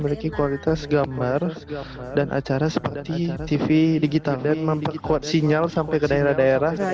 memiliki kualitas gambar dan acara seperti tv digital dan memperkuat sinyal sampai ke daerah daerah